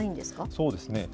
そうですね。